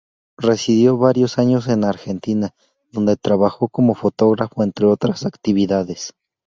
Residió varios años en Argentina, donde trabajó como fotógrafo, entre otras actividades.